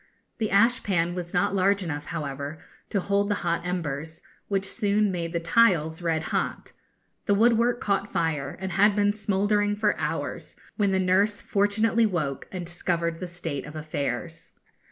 The ashpan was not large enough, however, to hold the hot embers, which soon made the tiles red hot. The woodwork caught fire, and had been smouldering for hours, when the nurse fortunately woke and discovered the state of affairs.